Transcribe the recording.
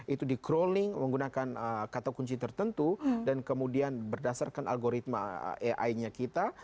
itu di crawling menggunakan kata kunci tertentu dan kemudian berdasarkan algoritma ai nya kita